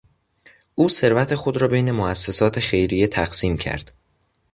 او ثروت خود را بین موسسات خیریه تقسیم کرد.